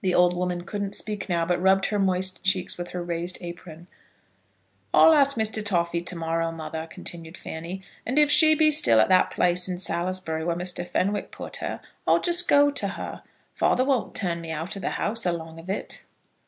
The old woman couldn't speak now, but rubbed her moist cheeks with her raised apron. "I'll ask Mr. Toffy to morrow, mother," continued Fanny, "and if she be still at that place in Salisbury where Mr. Fenwick put her, I'll just go to her. Father won't turn me out of the house along of it."